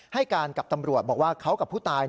ให้การกับตำรวจบอกว่าเขากับผู้ตาย